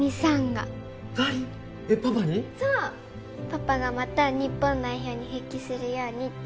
パパがまた日本代表に復帰するようにって